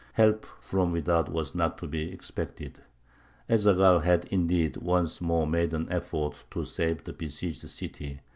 Help from without was not to be expected. Ez Zaghal had, indeed, once more made an effort to save the besieged city.